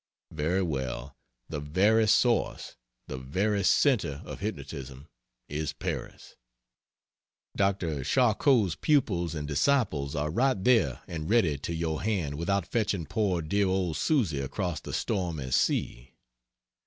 Very well; the very source, the very center of hypnotism is Paris. Dr. Charcot's pupils and disciples are right there and ready to your hand without fetching poor dear old Susy across the stormy sea.